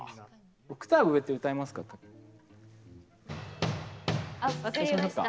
オクターブ上って歌えますか？